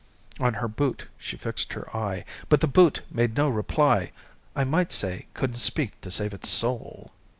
On her boot she fixed her eye, But the boot made no reply (I might say: "Couldn't speak to save its sole!")